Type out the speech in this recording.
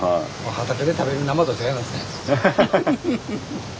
畑で食べる生と違いますね。